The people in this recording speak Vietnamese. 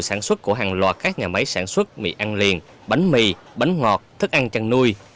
sản xuất của hàng loạt các nhà máy sản xuất mì ăn liền bánh mì bánh ngọt thức ăn chăn nuôi